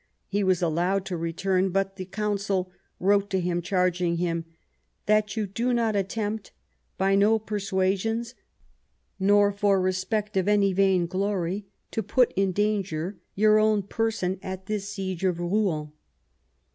He was allowed to return, but the Council wrote to him charging him " that you do not attempt, by no persuasions, nor for respect of any vainglory, to put in danger your own person at this siege of Rouen *'.